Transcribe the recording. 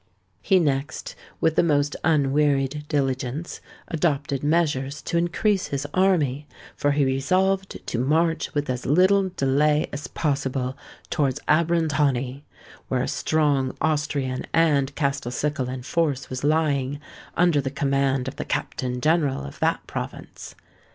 He next, with the most unwearied diligence, adopted measures to increase his army, for he resolved to march with as little delay as possible towards Abrantani; where a strong Austrian and Castelcicalan force was lying, under the command of the Captain General of that province.